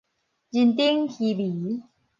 人丁稀微